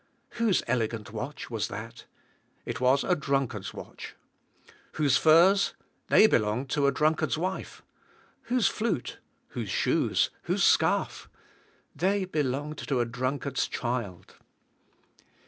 Whose elegant watch was that? It was a drunkard's watch! Whose furs? They belonged to a drunkard's wife! Whose flute? Whose shoes? Whose scarf? They belonged to a drunkard's child!